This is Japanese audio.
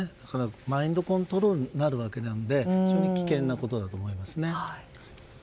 マインドコントロールになるので非常に危険なことだと思います。